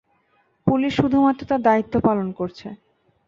Police শুধুমাত্র তার দায়িত্ব পালন করছে।